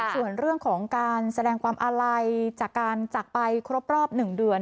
ส่วนเรื่องของการแสดงความอาลัยจากการจักรไปครบรอบ๑เดือน